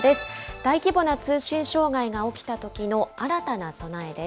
大規模な通信障害が起きたときの新たな備えです。